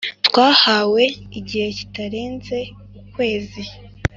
Twahawe igihe kitarenze ukwezi